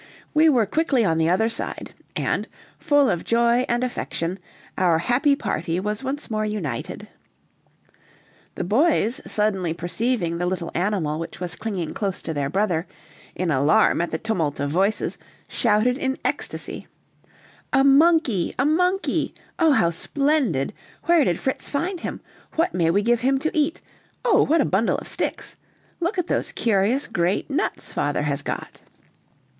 We were quickly on the other side, and, full of joy and affection, our happy party was once more united. The boys suddenly perceiving the little animal which was clinging close to their brother, in alarm at the tumult of voices, shouted in ecstasy: "A monkey! a monkey! oh, how splendid! Where did Fritz find him? What may we give him to eat? Oh, what a bundle of sticks! Look at those curious, great nuts father has got!"